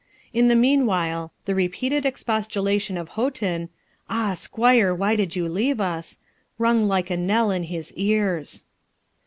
In the meanwhile the repeated expostulation of Houghton 'Ah, squire, why did you leave us?' rung like a knell in his ears.